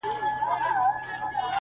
وايي نسته كجاوې شا ليلا ورو ورو-